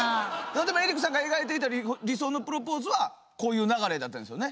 でもエリックさんが描いていた理想のプロポーズはこういう流れだったんですよね？